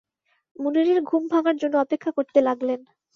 মুনিরের ঘুম ভাঙার জন্যে অপেক্ষা করতে লাগলেন।